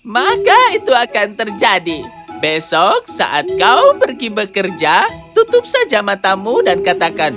maka itu akan terjadi besok saat kau pergi bekerja tutup saja matamu dan katakanlah